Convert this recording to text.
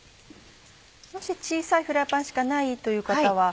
もし小さいフライパンしかないという方は。